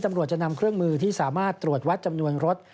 ตำรวจจะนำเครื่องมือที่สามารถตรวจวัดจำนวนรถ